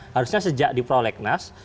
harusnya sejak di prolek nas